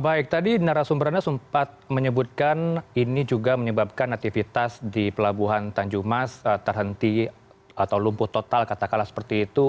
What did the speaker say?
baik tadi narasumber anda sempat menyebutkan ini juga menyebabkan aktivitas di pelabuhan tanjung mas terhenti atau lumpuh total katakanlah seperti itu